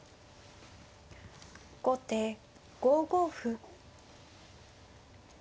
後手５五歩。